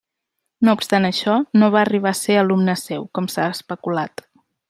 No obstant això, no va arribar a ser alumne seu, com s'ha especulat.